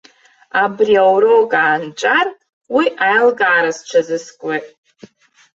Абри аурок аанҵәар, уи аилкаара сҽазыскуеит.